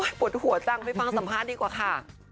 ปวดหัวจังไปฟังสัมภาษณ์ดีกว่าค่ะ